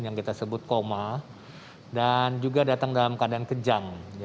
yang kita sebut koma dan juga datang dalam keadaan kejang